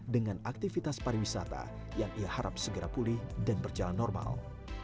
dengan aktivitas pariwisata yang ia harap segera pulih dan berjalan normal